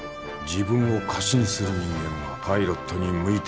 自分を過信する人間はパイロットに向いてない。